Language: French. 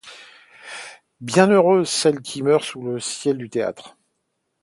Bien heureuse celle qui meurt sous le ciel du théâtre.